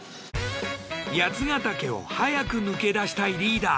八ヶ岳を早く抜け出したいリーダー。